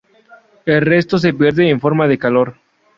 El resto se pierde en forma de calor.